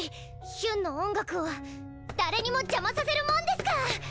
ヒュンの音楽を誰にも邪魔させるもんですか！